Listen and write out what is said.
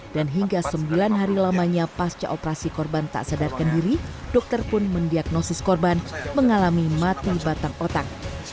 dan hingga sembilan hari lamanya pasca operasi korban tak sadarkan diri dokter pun mendiagnosis korban mengalami mati batang otak